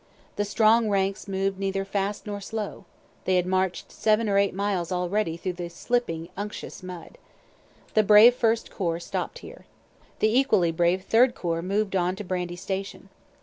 The strong ranks moved neither fast nor slow. They had march'd seven or eight miles already through the slipping unctuous mud. The brave First corps stopt here. The equally brave Third corps moved on to Brandy station.